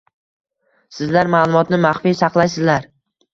Sizlar maʼlumotni maxfiy saqlaysizlar